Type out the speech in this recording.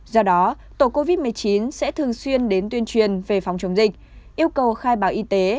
do đó tổ covid một mươi chín sẽ thường xuyên đến tuyên truyền về phòng chống dịch yêu cầu khai báo y tế